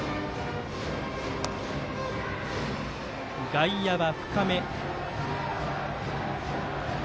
外野は深め。